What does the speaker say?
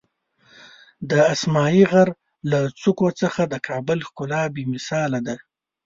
د اسمایي غر له څوکو څخه د کابل ښکلا بېمثاله ده.